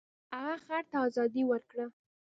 هغه خر ته ازادي ورکړه.